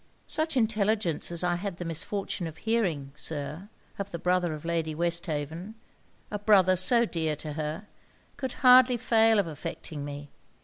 'Such intelligence as I had the misfortune of hearing, Sir, of the brother of Lady Westhaven a brother so dear to her could hardly fail of affecting me.